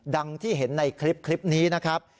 ดังที่เห็นในคลิปนี้นะครับ